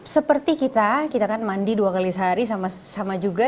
seperti kita kita kan mandi dua kali sehari sama juga